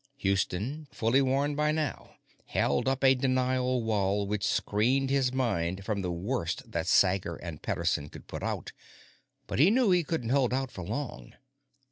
Houston, fully warned by now, held up a denial wall which screened his mind from the worst that Sager and Pederson could put out, but he knew he couldn't hold out for long.